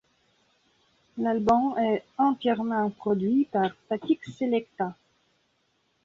L'album est entièrement produit par Statik Selektah.